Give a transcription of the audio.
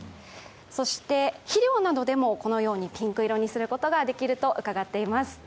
そして、肥料などでもこのようにピンク色にすることができると伺っております。